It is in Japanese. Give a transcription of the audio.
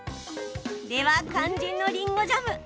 では、肝心のりんごジャム